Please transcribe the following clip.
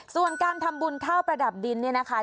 ส่วนการทำบุญข้าวประดับดินเนี่ยนะคะ